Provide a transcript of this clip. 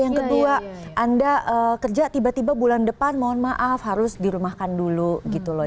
yang kedua anda kerja tiba tiba bulan depan mohon maaf harus dirumahkan dulu gitu loh